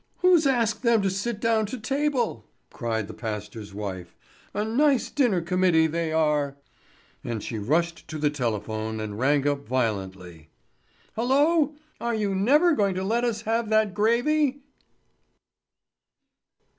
"Who's asked them to sit down to table?" cried the pastor's wife. "A nice dinner committee they are!" And she rushed to the telephone and rang up violently. "Hullo! Are you never going to let us have that gravy?"